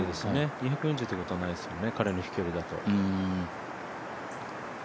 ２４０ということはないですよね、彼の飛距離だと。